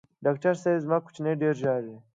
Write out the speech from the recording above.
ډاکټر صېب زما کوچینی ډېر ژاړي